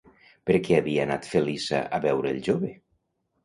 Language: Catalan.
Per què havia anat Feliça a veure el jove?